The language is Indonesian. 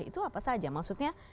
itu apa saja maksudnya